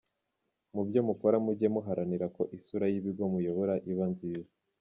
Mu byo mukora mujye muharanira ko isura y’ibigo muyobora iba nziza ».